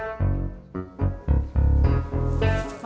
gue ke sana ya